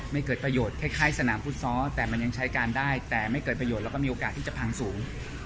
เกิดประโยชน์คล้ายสนามฟุตซอลแต่มันยังใช้การได้แต่ไม่เกิดประโยชน์แล้วก็มีโอกาสที่จะพังสูง